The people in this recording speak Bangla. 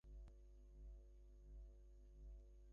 তাহার পর দৃঢ়স্বরে বলিল, সে তোমার নহে।